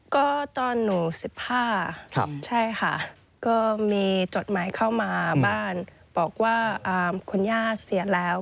ก็ตอนหนู๑๕ใช่ค่ะก็มีจดหมายเข้ามาบ้านบอกว่าคุณย่าเสียแล้ว